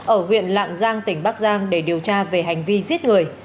ở huyện lạng giang tỉnh bắc giang để điều tra về hành vi giết người